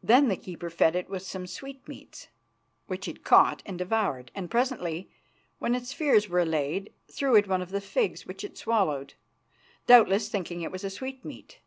Then the keeper fed it with some sweetmeats, which it caught and devoured, and presently, when its fears were allayed, threw it one of the figs, which it swallowed, doubtless thinking it a sweetmeat.